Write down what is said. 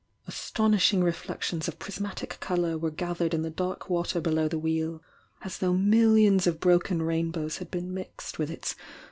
ATton n h! Ifflf t'°"« «f prismatic colour werf gathered n the dark water below the Wheel, as though mil lions of broken rainbows had been mixed with its X?